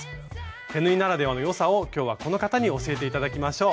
手縫いならではの良さを今日はこの方に教えて頂きましょう。